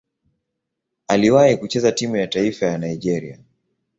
Aliwahi kucheza timu ya taifa ya Nigeria.